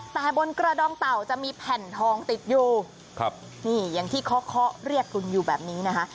แต่บนกระดองเต่าจะมีแผ่นทองติดอยู่ครับนี่อย่างที่เคาะเคาะเรียกคุณอยู่แบบนี้นะคะ